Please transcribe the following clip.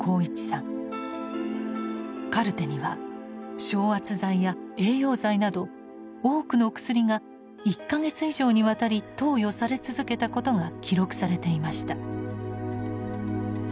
カルテには昇圧剤や栄養剤など多くの薬が１か月以上にわたり投与され続けたことが記録されていました。